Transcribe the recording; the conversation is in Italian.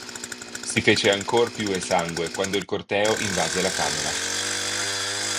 Si fece ancor più esangue quando il corteo invase la camera.